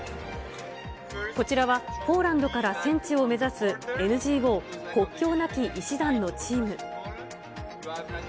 こちらはポーランドから戦地を目指すＮＧＯ国境なき医師団のチーム。